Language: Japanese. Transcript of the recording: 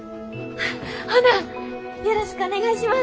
ほなよろしくお願いします！